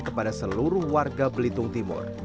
kepada seluruh warga belitung timur